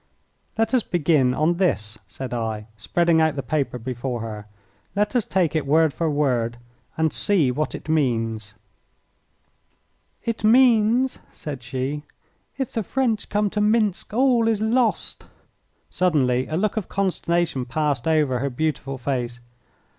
"Let us begin on this," said I, spreading out the paper before her. "Let us take it word for word and see what it means." She looked at the writing with some surprise. "It means," said she, "if the French come to Minsk all is lost." Suddenly a look of consternation passed over her beautiful face.